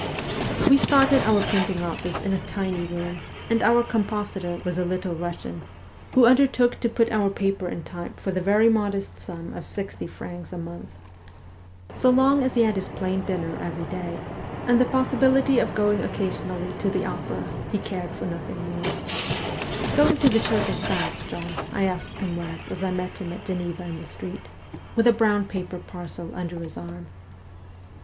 We started our printing office in a tiny room, and our compositor was a Little Russian, who undertook to put our paper in type for the very modest sum of sixty francs a month. So long as he had his plain dinner every day, and the possibility of going occasionally }J32 MEMOIRS OF A REVOLUTIONIST to the opera, he cared for nothing more. ' Going to the Turkish bath, John ?' I asked him once as I met him at Geneva in the street, with a brown paper parcel under his arm.